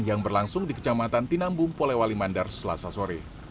yang berlangsung di kecamatan tinambu polewali mandar selasa soreh